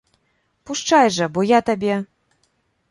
Пушчай жа, бо я табе!